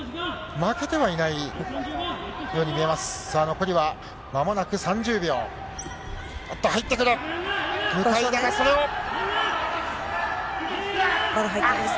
負けてはいないように見えます。